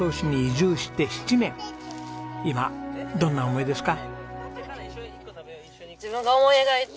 今どんな思いですか？